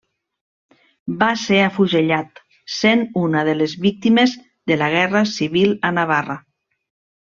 Va ser afusellat, sent una de les Víctimes de la Guerra Civil a Navarra.